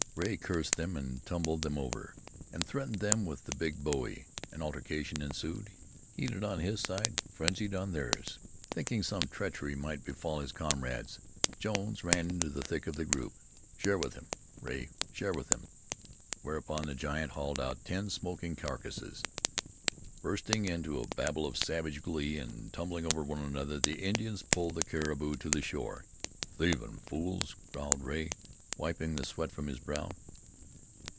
Rea cursed them, and tumbled them over, and threatened them with the big bowie. An altercation ensued, heated on his side, frenzied on theirs. Thinking some treachery might befall his comrade, Jones ran into the thick of the group. "Share with them, Rea, share with them." Whereupon the giant hauled out ten smoking carcasses. Bursting into a babel of savage glee and tumbling over one another, the Indians pulled the caribou to the shore. "Thievin' fools," growled Rea, wiping the sweat from his brow.